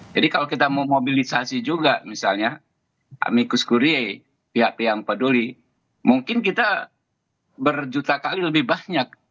jadi kalau kita mau mobilisasi juga misalnya amicus curiae pihak pihak yang peduli mungkin kita berjuta kali lebih banyak